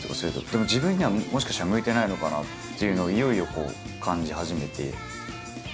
でも自分にはもしかしたら向いてないのかなっていうのをいよいよ感じ始めていまして。